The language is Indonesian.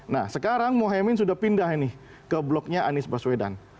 nah sekarang mohaimin sudah pindah ini ke bloknya anies baswedan